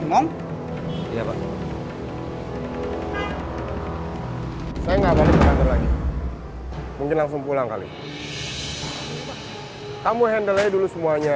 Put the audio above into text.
mereka harus mencari mama